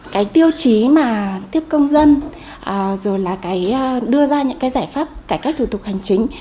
cái tiêu chí mà tiếp công dân rồi là đưa ra những cái giải pháp cải cách thủ tục hành chính